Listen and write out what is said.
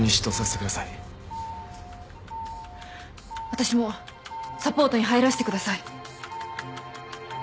私もサポートに入らせてください。